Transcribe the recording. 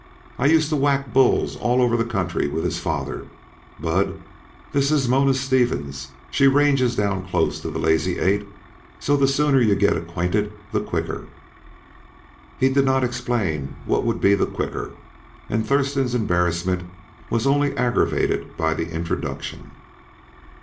I used to whack bulls all over the country with his father. Bud, this is Mona Stevens; she ranges down close to the Lazy Eight, so the sooner yuh git acquainted, the quicker." He did not explain what would be the quicker, and Thurston's embarrassment was only aggravated by the introduction.